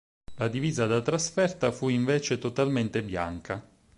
La divisa da trasferta fu invece totalmente bianca.